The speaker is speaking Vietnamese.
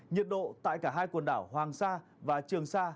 nhiệt độ tại cả hai quần đảo hoàng sa và trường sa